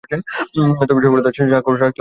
তবে, সফলতার স্বাক্ষর রাখতে পারেননি তিনি।